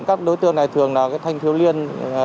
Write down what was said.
các đối tượng này thường là thanh thiếu liên